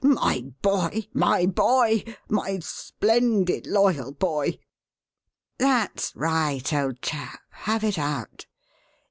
My boy! my boy! my splendid, loyal boy!" "That's right, old chap, have it out.